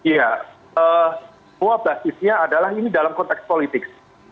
ya semua basisnya adalah ini dalam konteks politik